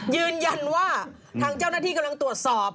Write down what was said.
ยืนยันว่าทางเจ้าหน้าที่กำลังตรวจสอบ